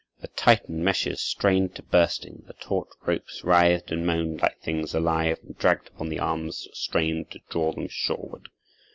The tightened meshes strained to bursting, the taut ropes writhed and moaned like things alive, and dragged upon the arms that strained to draw them shoreward.